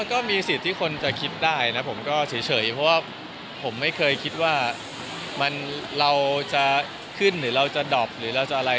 ก็มีสิทธิ์ที่คนจะคิดได้นะผมก็เฉยเพราะว่าผมไม่เคยคิดว่าเราจะขึ้นหรือเราจะดอบหรือเราจะอะไร